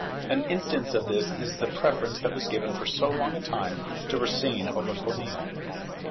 An instance of this is the preference that was given for so long a time to Racine over Corneille.